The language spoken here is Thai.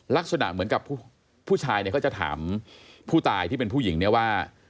ลักษณะเหมือนกับผู้ชายเนี่ยเขาจะถามผู้ตายที่เป็นผู้หญิงเนี่ยว่า